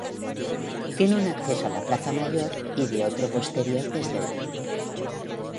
Tiene un acceso a la plaza Mayor y de otro posterior desde el huerto.